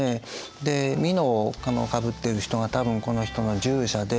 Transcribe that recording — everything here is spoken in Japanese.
でみのをかぶってる人が多分この人の従者で。